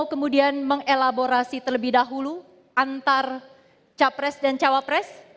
kemudian mengelaborasi terlebih dahulu antar capres dan cawapres